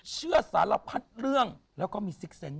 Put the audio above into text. เชื่อสารพัดเรื่องแล้วก็มีสิกเซ็นต์ด้วย